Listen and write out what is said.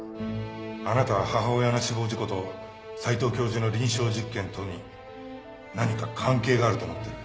あなたは母親の死亡事故と斎藤教授の臨床実験とに何か関係があると思ってる。